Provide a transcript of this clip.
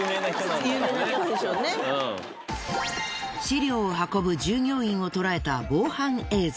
飼料を運ぶ従業員を捉えた防犯映像。